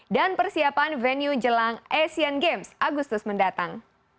dan persiapan venue jelang asian games agustus mendatang